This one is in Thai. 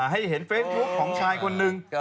ให้เห็นเฟซบุ๊คของชายคนนึง